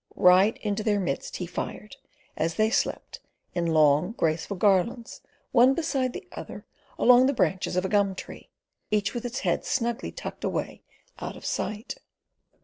Right into their midst he fired, as they slept in long, graceful garlands one beside the other along the branches of a gum tree, each with its head snugly tucked away out of sight.